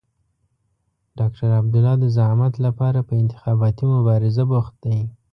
ډاکټر عبدالله د زعامت لپاره په انتخاباتي مبارزه بوخت دی.